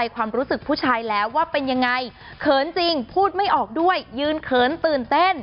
ความรู้สึกผู้ชายแล้วว่าเป็นยังไงเขินจริงพูดไม่ออกด้วยยืนเขินตื่นเต้น